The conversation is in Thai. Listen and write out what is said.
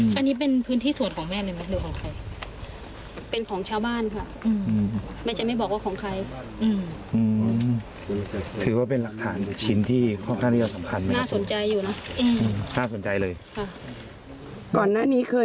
คุณพ่อจะได้มาหาหลักฐานหรืออะไรตรงนี้ไหมครับแม่